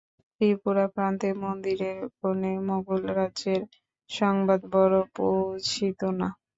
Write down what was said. ত্রিপুরার প্রান্তে মন্দিরের কোণে মোগল-রাজ্যের সংবাদ বড়ো পৌঁছিত না।